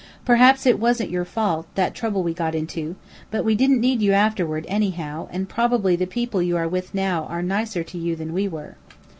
"Perhaps it wasn't your fault, that trouble we got into, but we didn't need you afterward, anyhow, and probably the people you are with now are nicer to you than we were."